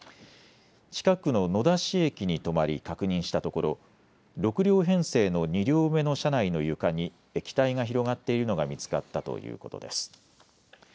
近くの野田市駅に止まり確認したところ６両編成の２両目の車内の床に液体が広がっているのが見つかったということです。